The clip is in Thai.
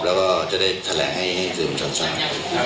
แล้วก็จะได้แถลงให้ให้สื่องช่วงสาม